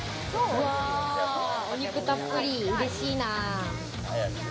お肉たっぷり、嬉しいな。